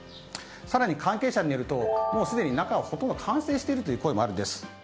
更に関係者によると、もうすでに中はほとんど完成しているという声もあるんです。